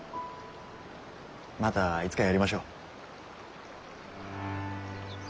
またいつかやりましょう。